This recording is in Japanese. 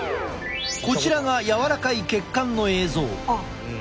こちらが柔らかい血管の映像。